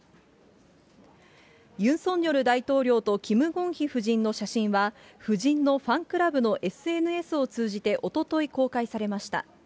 ユン・ソンニョル大統領とキム・ゴンヒ夫人の写真は、夫人のファンクラブのＳＮＳを通じておととい公開されました。